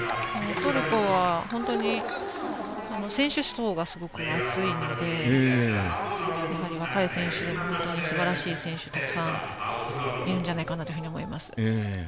トルコは本当に選手層がすごく厚いのでやはり若い選手でも大変すばらしい選手たくさんいるんじゃないかなと思います。